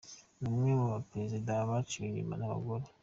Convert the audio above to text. Ni umwe mu baperezida baciwe inyuma n’abagore.